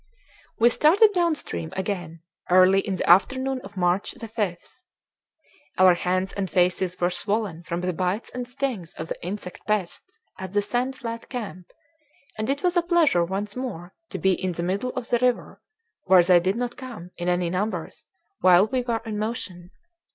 We started down stream again early in the afternoon of March 5. Our hands and faces were swollen from the bites and stings of the insect pests at the sand flat camp, and it was a pleasure once more to be in the middle of the river, where they did not come, in any numbers, while we were in motion.